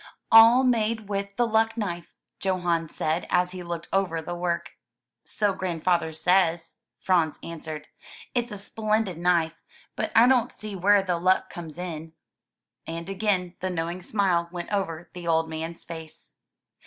A11 made with the luck knife," Johan said as he looked over the work. "So grandfather says," Franz answered. It's a splendid knife, but I don't see where the luck comes in." And again the knowing smile went over the old man's face.